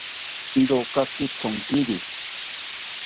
Irokaki thonkiri